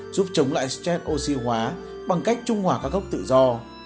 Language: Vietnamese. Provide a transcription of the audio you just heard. giúp chống lại stress oxy hóa bằng cách trung hòa các gốc tự do